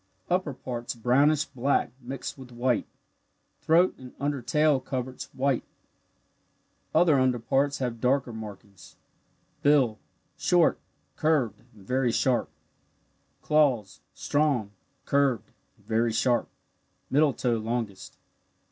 Upper parts brownish black mixed with white throat and under tail coverts white other under parts having darker markings. Bill short, curved, and very sharp. Claws strong, curved, and very sharp, middle toe longest.